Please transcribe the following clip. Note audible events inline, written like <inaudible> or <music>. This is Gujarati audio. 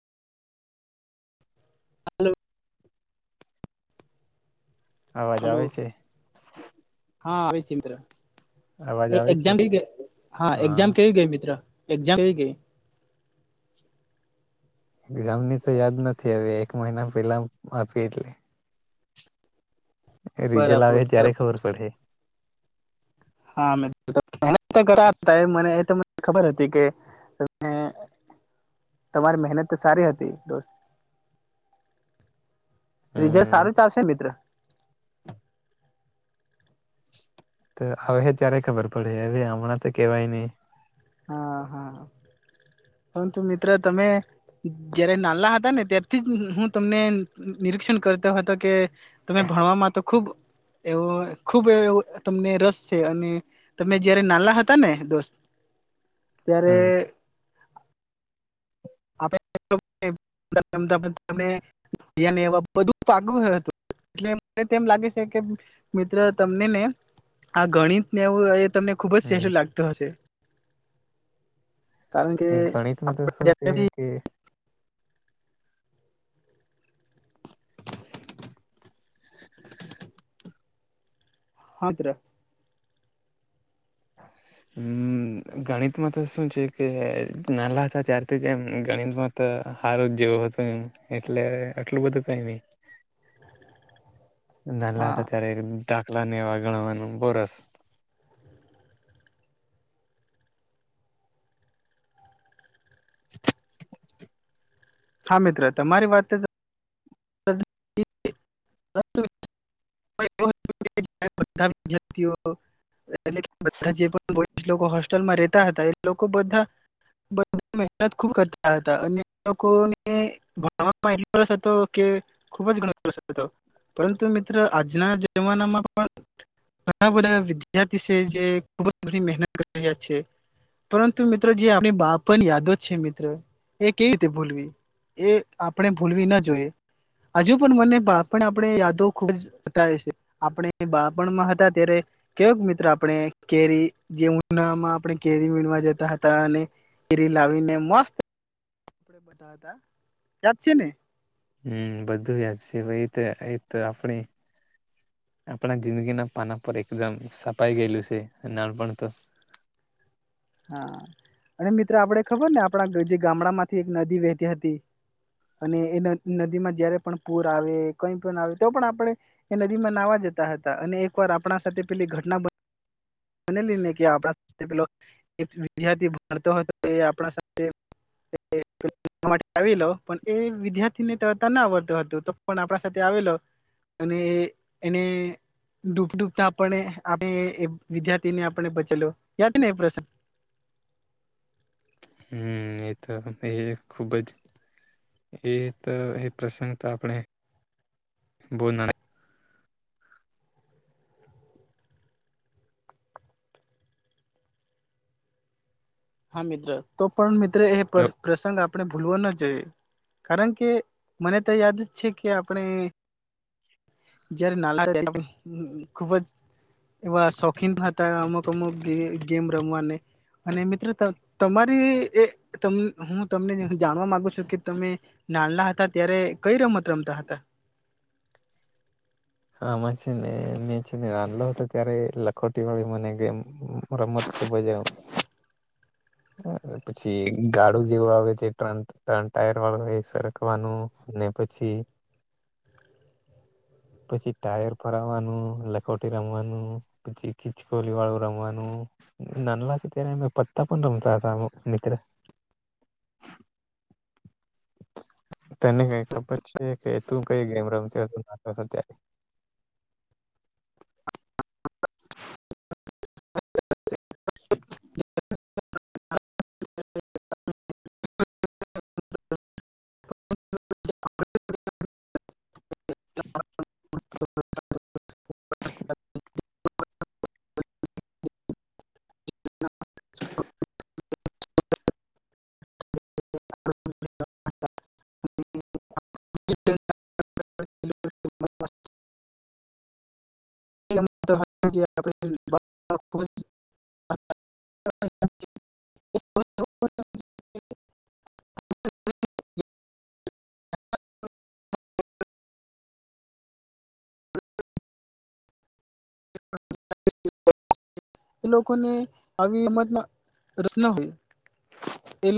હલો! અવાજ હલો આવે છે.? હા આવી ચિંત્ર અવાજ એ આવે છે એક્ઝામ હા, એક્ઝામ કેવી ગઈ મિત્ર? એક્ઝામ કે? એક્ઝામ ની તો યાદ નથી આવી. એક મહિના પેલા આપી એટલે. રિઝલ્ટ બરાબર આવે બરા ત્યારે ખબર પડે <unintelligible> હા મને તો <inaudible> ખબર હતી કે તમે તમારી મહેનત તો સારી હતી. દોસ્ત! રિઝલ્ટ હમ સારું જ આવશે મિત્ર. તો હવે ત્યારે ખબર પડે હવે, હમણાં તો કેવાય નહી હા હા પરંતુ મિત્ર તમે જયારે નાલા હતા ને ત્યારથી જ હું તમને નિરીક્ષણ કરતો હતો, કે તમે ભણવામાં તો ખૂબ એવો ખૂબ એવો તમને રસ છે અને તમે જયારે નાલા હતા ને દોસ્ત ત્યારે! હમ <inaudible> બધું પાગ હતું એટલે મને તેમ લાગે છે કે મિત્ર તમને ને આ ગણિતને એવું તમને ખુબ જ સહેલું લાગતું હશે.? કારણ કે ગણિતમાં તો આપડે શું <inaudible> છે કે <inaudible> હાસ્તે હમ ગણિતમાં તો શું છે કે નાલા હતા ત્યારથી જ, એમ ગણિતમાં તો હારું જ જેવું હતું, એમ એટલે આટલું બધું નય. નાલાા હા હતા ત્યારે. દાખલા ને એવા ગણવાનું બોરસ <inaudible> હા મિત્ર તમારી વાત વિ્યાર્ <inaudible> એટલે જે હોસ્ટેલમાં રતા હતા એ લોકો બા મેનત ખુબ કરતાં હતાં અને લોકોને ભણવામા એટલો રસ હતો કે ખુબ જ ગણ <inaudible> પરંતુ મિત્ર આજના જમાનામાં પણ ઘણા બધા વિદ્યાર્થી છે. જે ખૂબ જ ઘણી મહેનત કરી રહ્યા છે. પરંતુ મિત્રો જે આપણી બાપણ યાદો છે, મિત્ર એ કેવી રીતે ભૂલવી એ આપણે ભૂલવી ના જોઈએ. હજુ પણ મને બાળપણ આપણે યાદો ખુબજ બતાવે છે. આપણે બાળપણમાં હતા, ત્યારે કયોક મિત્ર આપણે કેરી જે ઉનામાં આપણે કેરી વીણવા જતા હતા, અને કેરી લાવીને મસ્ત આપડે બધા હતા યાદ છે ને? હમ બધું યાદ છે એ તો એ તો આપણી, આપણા જિંદગીના પાના પર એકદમ સપાઈ ગયેલું છે નાનપણ તો. હા અને મિત્ર આપણે ખબર ને આપણા જે ગામડા માંથી એક નદી વહેતી હતી, અને એ નદી માં જયારે પણ પૂર આવે કઈ પણ આવે તો પણ આપણે, એ નદી માં નાહવા જતા હતા અને એક વાર આપણા સાથે પેલી ઘટના બ મને આપ પેલો, વિદ્યાર્થી ભણતો હતો એ આપલો પણ એ વિદ્યાર્થીને તતા ના આવડતો હતો તો પણ આપણા સાથે આવેલો, અને એને ડૂબ ડતા આપને આપ વિદ્યાર્થી ને આપણે બચેલો યાદ નહી પ્રસંગ. હમ એ તો એ ખુબ જ એ તો એ પ્રસંગ તો આપણે બોલના હા મિત્ર તો પણ મિત્ર એ પ્રસંગ આપ આપણે ભૂલવા ન જોઈએ કારણ કે મને તો યાદ જ છે કે આપણે જયારે નાલા ત ખુબ જ એવા શોખીન હતા અમુક અમુક ગેમ રમવાને અને મિત્રો તમારી હું તમને જાણવા માંગુ છું કે તમે નાનલા હતા ત્યારે કઈ રમત રમતા હતા. માં છે ને મેં છેને રાંધલો હતો ત્યારે લખોટી વાળી મને ગ રમત ખૂબ જ પછી ગાડું જેવું આવે છે ત્ર્ર ટાયર વાળું એ સરખવાનું અને પછી પછી ટાયર ફરાવાનું લખોટી રમવાનું પછી ખીચકોલી વાળું રમવાનું નાન લાગે ત્યારે અમે પત્તા પણ રમતા હતા મિત્ર. તને કઈ ખબર છે કે તું કઈ ગેમ રમતી ત્યારે. <inaudible> <inaudible> <inaudible> <inaudible> આપ એ લોકોને આવી રંમતમાં રચના હોય એ